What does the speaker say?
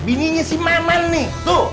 bininya si memen nih tuh